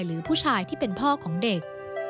หรือผู้ชายที่เป็นพ่อของเด็ก